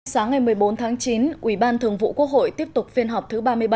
sáng ngày một mươi bốn tháng chín ủy ban thường vụ quốc hội tiếp tục phiên họp thứ ba mươi bảy